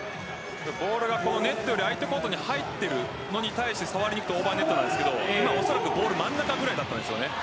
ボールがネットより相手コートに入っているのに対して触りにいくとオーバーネットなんですがおそらく、ボール真ん中ぐらいだったんです。